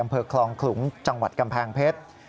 อำเภอคลองขลุงจังหวัดกำแพงเพชร